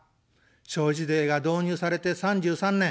消費税が導入されて３３年。